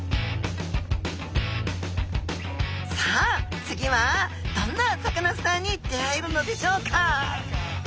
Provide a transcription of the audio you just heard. さあ次はどんなサカナスターに出会えるのでしょうか？